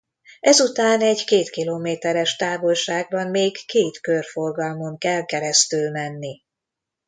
Ezután egy két kilométeres távolságban még két körforgalmon kell keresztül menni.